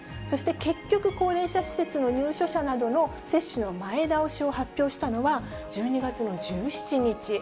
そして結局高齢者施設の入所者などの接種の前倒しを発表したのは、１２月の１７日。